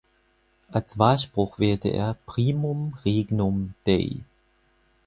Als Wahlspruch wählte er "Primum Regnum Dei".